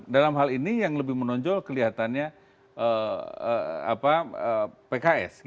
dalam hal ini yang lebih menonjol kelihatannya pks